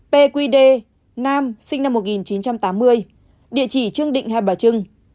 pqd nam sinh năm một nghìn chín trăm tám mươi địa chỉ trương định hai bà trưng